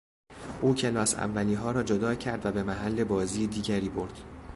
او کلاس اولیها را جدا کرد و به محل بازی دیگری برد.